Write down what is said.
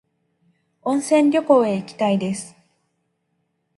温泉旅行へ行きたいです。